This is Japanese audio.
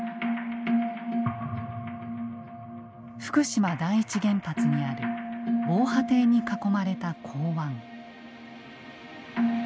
福島第一原発にある防波堤に囲まれた港湾。